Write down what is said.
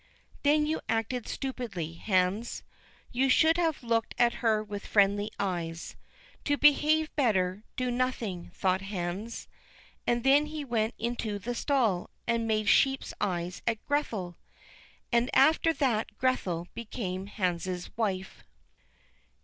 "Then you acted stupidly, Hans; you should have looked at her with friendly eyes." "To behave better, do nothing," thought Hans; and then he went into the stall, and made sheep's eyes at Grethel. And after that Grethel became Hans' wife.